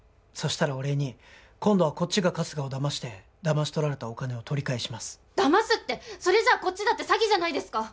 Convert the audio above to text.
したらお礼に今度はこっちが春日をだましてだまし取られたお金を取り返します「だます」ってそれじゃこっちだって詐欺じゃないですか